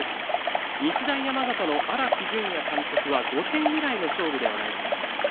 日大山形の荒木準也監督は５点ぐらいの勝負ではないかと。